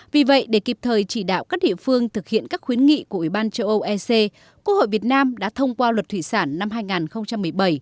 vì vậy để kịp thời chỉ đạo các địa phương thực hiện các khuyến nghị của ủy ban châu âu ec quốc hội việt nam đã thông qua luật thủy sản năm hai nghìn một mươi bảy